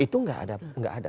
itu enggak ada